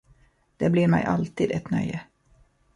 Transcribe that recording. Det blir mig alltid ett nöje.